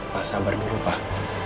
pak sabar dulu pak